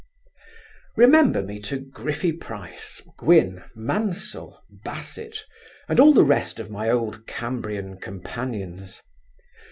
Remember me to Griffy Price, Gwyn, Mansel, Basset, and all the rest of my old Cambrian companions.